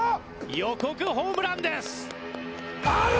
予告ホームランです！